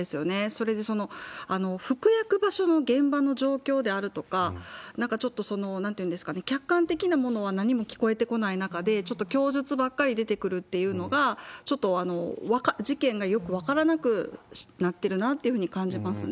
それで、服薬場所の現場の状況であるとか、ちょっとなんていうんですかね、客観的なものは何も聞こえてこない中で、ちょっと供述ばっかり出てくるというのが、ちょっと事件がよく分からなくなってるなというふうに感じますね。